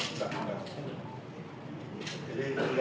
tapi serangka sebelumnya